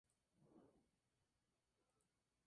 En la fachada se encuentra una imagen de san Martín de Tours.